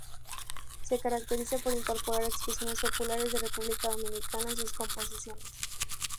Se caracteriza por incorporar expresiones populares de República Dominicana en sus composiciones.